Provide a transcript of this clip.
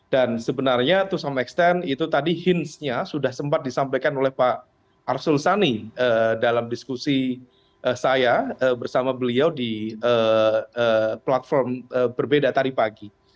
dan sebenarnya to some extent itu tadi hints nya sudah sempat disampaikan oleh pak arsul sani dalam diskusi saya bersama beliau di platform berbeda tadi pagi